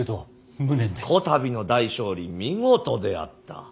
こたびの大勝利見事であった。